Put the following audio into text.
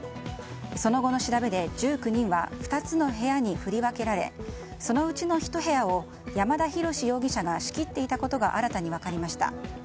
その後の調べで１９人は２つの部屋に振り分けられそのうちの１部屋を山田大志容疑者が仕切っていたことが新たに分かりました。